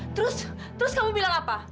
terus terus kamu bilang apa